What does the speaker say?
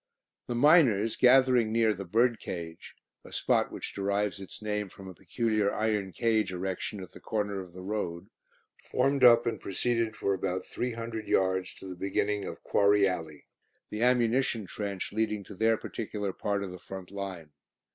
The Miners, gathering near the "Birdcage" (a spot which derives its name from a peculiar iron cage erection at the corner of the road), formed up, and proceeded for about three hundred yards to the beginning of "Quarry Ally," the ammunition trench leading to their particular part of the front line.